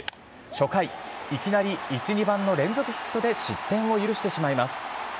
初回、いきなり１、２番の連続ヒットで失点を許してしまいます。